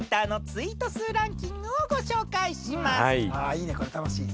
いいねこれ楽しい。